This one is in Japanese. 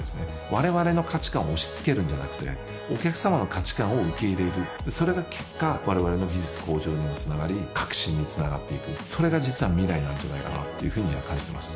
我々の価値観を押しつけるんじゃなくてお客様の価値観を受け入れるそれが結果我々の技術向上にもつながり革新につながっていくそれが実は未来なんじゃないかなっていうふうには感じてます